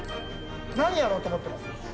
何やろうと思ってます？